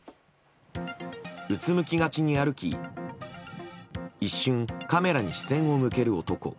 うつむきがちに歩き、一瞬カメラに視線を向ける男。